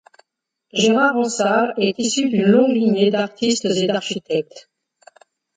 Gérard Ansart est issu d'une longue lignée d'artistes et d'architectes.